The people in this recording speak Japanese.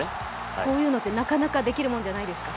こういうのってなかなかできるものじゃないですか？